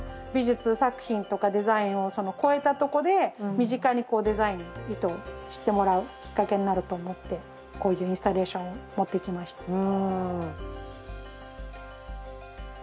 美術作品とかデザインを超えたとこで身近にこうデザインを意図してもらうきっかけになると思ってこういうインスタレーションを持ってきました。